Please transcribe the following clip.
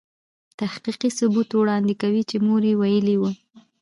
تحقیقي ثبوت وړاندې کوي چې مور يې ویلې وه.